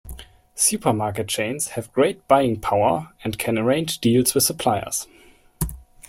Supermarket chains have greater buying power and can arrange deals with suppliers.